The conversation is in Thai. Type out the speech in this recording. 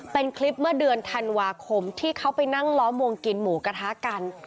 เป็นคลิปเมื่อเดือนธันวาคมที่เขาไปนั่งล้อมวงกินหมูกระทะกัน